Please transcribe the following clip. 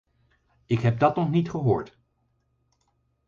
Ik heb dat nog niet gehoord.